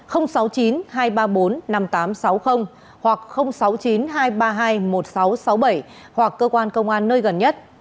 hoặc sáu mươi chín hai trăm ba mươi hai một nghìn sáu trăm sáu mươi bảy hoặc cơ quan công an nơi gần nhất